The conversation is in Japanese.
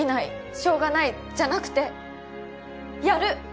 「しょうがない」じゃなくて「やる！」